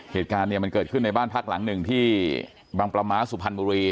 เหตุการณ์เนี่ยมันเกิดขึ้นในบ้านพักหลังหนึ่งที่บางประม้าสุพรรณบุรี